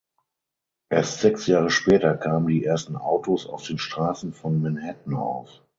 Erst sechs Jahre später kamen die ersten Autos auf den Straßen von Manhattan auf.